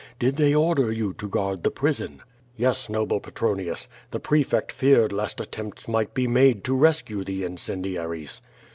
"Did they order you to guard the prison?" "Yes, noble Petronius; the prefect feared lest attempts might be made to rescue the incendiaries."